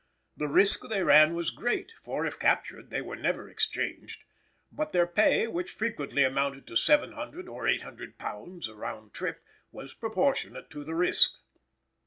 The risk they ran was great, for if captured they were never exchanged; but their pay, which frequently amounted to £700 or £800 a round trip, was proportionate to the risk.